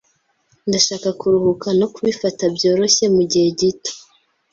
Ndashaka kuruhuka no kubifata byoroshye mugihe gito.